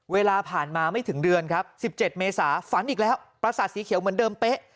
เวลาผ่านมาไม่ถึงเดือนครับ๑๗เมษาฝันอีกแล้วประสาทสีเขียวเหมือนเดิมเป๊ะ